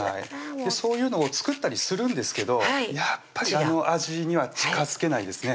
そういうのを作ったりするんですけどやっぱりあの味には近づけないですね